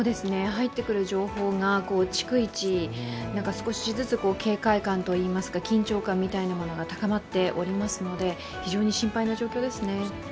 入ってくる情報が逐一少しずつ警戒感といいますか緊張感みたいなものが高まっておりますので非常に心配な状況ですね。